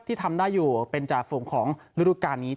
ที่ทำได้อยู่เป็นจาฝงของรูปรูปการณ์นี้